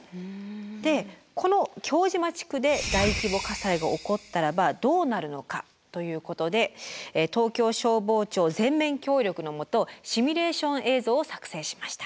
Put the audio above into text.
でこの京島地区で大規模火災が起こったらばどうなるのかということで東京消防庁全面協力のもとシミュレーション映像を作成しました。